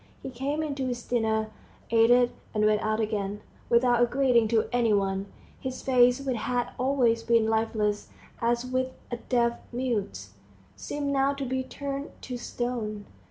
He came in to his dinner, ate it, and went out again, without a greeting to any one. His face, which had always been lifeless, as with all deaf mutes, seemed now to be turned to stone.